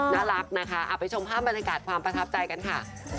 น่ารักนะคะไปชมภาพบรรยากาศความประทับใจกันค่ะ